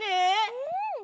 うん！